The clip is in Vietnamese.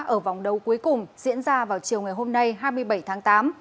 ở vòng đấu cuối cùng diễn ra vào chiều ngày hôm nay hai mươi bảy tháng tám